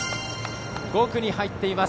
５区に入っています。